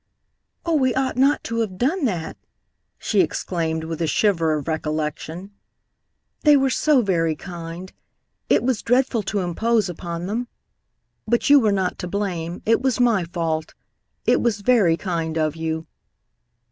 "Oh, we ought not to have done that!" she exclaimed with a shiver of recollection. "They were so very kind. It was dreadful to impose upon them. But you were not to blame. It was my fault. It was very kind of you."